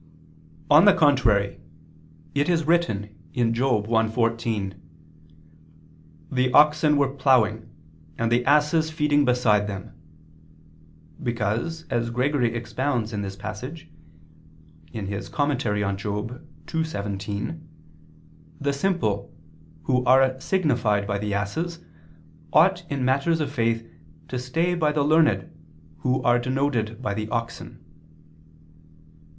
On the contrary, It is written (Job 1:14): "The oxen were ploughing, and the asses feeding beside them," because, as Gregory expounds this passage (Moral. ii, 17), the simple, who are signified by the asses, ought, in matters of faith, to stay by the learned, who are denoted by the oxen.